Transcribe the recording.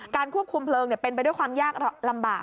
ควบคุมเพลิงเป็นไปด้วยความยากลำบาก